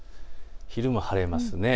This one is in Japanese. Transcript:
昼も晴れます。